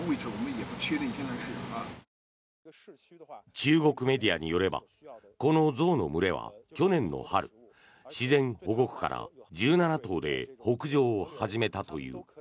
中国メディアによればこの象の群れは去年の春、自然保護区から１７頭で北上を始めたという。